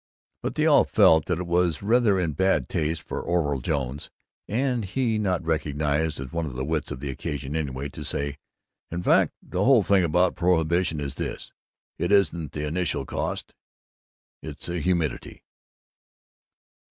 But they all felt that it was rather in bad taste for Orville Jones and he not recognized as one of the wits of the occasion anyway to say, "In fact, the whole thing about prohibition is this: it isn't the initial cost, it's the humidity."